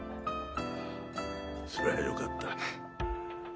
それはよかった。